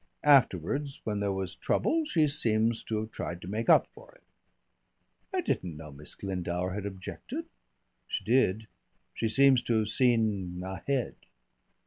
Afterwards when there was trouble she seems to have tried to make up for it." "I didn't know Miss Glendower had objected." "She did. She seems to have seen ahead."